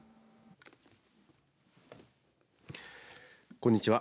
こんにちは。